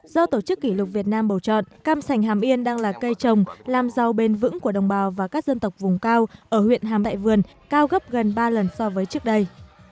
do tổ chức kỷ lục việt nam bầu chọn cam sành hàm yên đang là cây trồng làm giàu bền vững của đồng bào và các dân tộc vùng cao ở huyện hàm đại vườn cao gấp gần ba lần so với trước đây